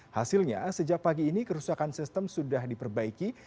hasilnya sejak pagi ini kerusakan sistem sudah diperbaiki